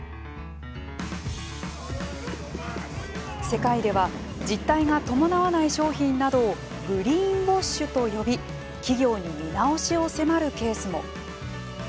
世界では実態が伴わない商品などをグリーンウォッシュと呼び企業に見直しを迫るケースも。